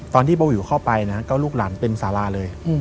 ตอนที่เบาวิวเข้าไปนะก็ลูกหลานเต็มสาราเลย